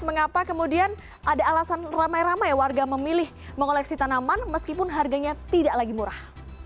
mengapa kemudian ada alasan ramai ramai warga memilih mengoleksi tanaman meskipun harganya tidak lagi murah